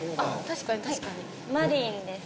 確かに確かにマリンです